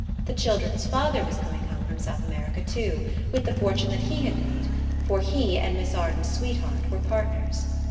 The children's father was coming home from South America, too, with the fortune that he had made, for he and Miss Arden's sweetheart were partners.